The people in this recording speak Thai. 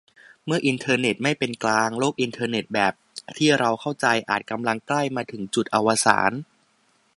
เมื่ออินเทอร์เน็ตไม่เป็นกลาง โลกอินเทอร์เน็ตแบบที่เราเข้าใจ อาจกำลังใกล้มาถึงจุดอวสาน